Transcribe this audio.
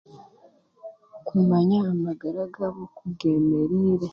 Kumanya amagara gaabo oku geemereire